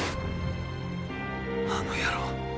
あの野郎